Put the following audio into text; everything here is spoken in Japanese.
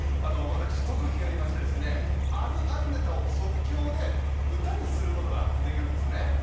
私特技がありましてですねあるあるネタを即興で歌にすることができるんですね